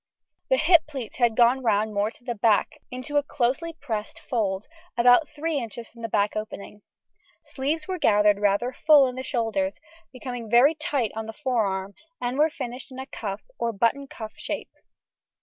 The hip pleats had gone round more to the back into a closely pressed fold, about three inches from the back opening. Sleeves were gathered rather full in the shoulders, becoming very tight on the forearm, and were finished in a cuff, or buttoned cuff shape.